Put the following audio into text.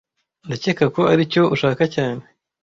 Ndakeka ko aricyo ushaka cyane